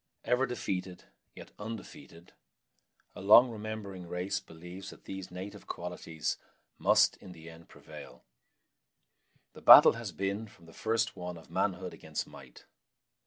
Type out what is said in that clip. Ever defeated, yet undefeated, a long remembering race believes that these native qualities must in the end prevail. The battle has been from the first one of manhood against might.